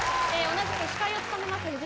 同じく司会を務めます